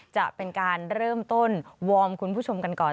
จะเป็นการเริ่มต้นวอร์มคุณผู้ชมกันก่อน